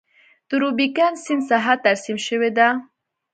د روبیکان سیند ساحه ترسیم شوې ده.